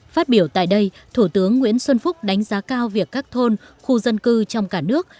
phát biểu tại đây thủ tướng nguyễn xuân phúc đánh giá cao việc các thôn khu dân cư trong cả nước